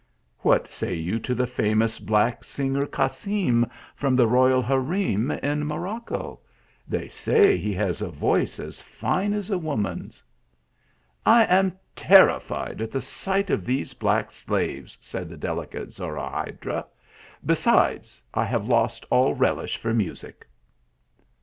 " What say you to the famous black singer, Casern, from the royal harem in Morocco. They say he has a voice as fine as a woman s." " I am terrified at the sight of these black slaves," said the delicate Zorahayda ;" beside, I have lost all relish for music."